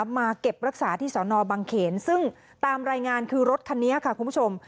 มาเก็บรักษาที่สอนอบังเขนซึ่งตามรายงานคือรถคันนี้ค่ะคุณผู้ชม